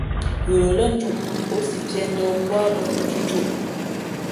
Ghə lά njūʼ, ǒ si piē ndαα mbú ā bᾱ cʉ̌côʼ.